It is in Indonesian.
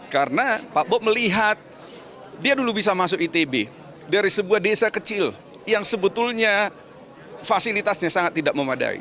karena pak bob melihat dia dulu bisa masuk itb dari sebuah desa kecil yang sebetulnya fasilitasnya sangat tidak memadai